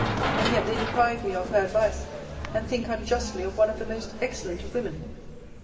And yet they deprive me of her advice, and think unjustly of one of the most excellent of women.